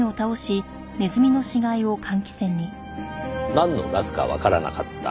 なんのガスかわからなかった。